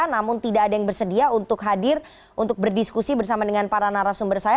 namun tidak ada yang bersedia untuk hadir untuk berdiskusi bersama dengan para narasumber saya